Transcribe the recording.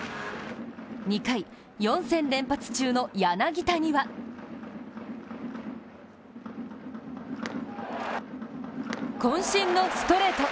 ２回、４戦連発中の柳田にはこん身のストレート。